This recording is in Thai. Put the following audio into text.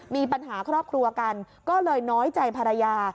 มีปัญหาครอบครัวกันก็เลยน้อยใจภรรยา